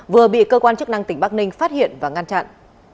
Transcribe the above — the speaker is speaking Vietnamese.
vừa bị cơ quan chức năng tỉnh bắc ninh phát hiện và ngăn chặn